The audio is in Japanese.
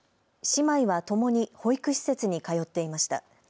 姉妹はともに保育施設に通っていました。